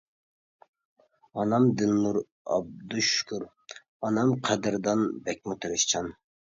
ئانام دىلنۇر ئابدۇشۈكۈر ئانام قەدىردان، بەكمۇ تىرىشچان.